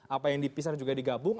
apa yang dipisah juga digabung